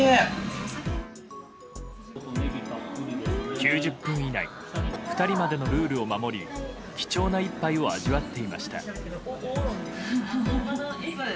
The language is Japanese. ９０分以内２人までのルールを守り貴重な一杯を味わっていました。